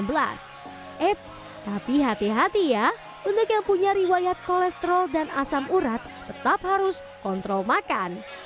eits tapi hati hati ya untuk yang punya riwayat kolesterol dan asam urat tetap harus kontrol makan